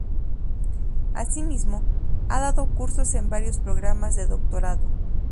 Asimismo, ha dado cursos en varios programas de doctorado.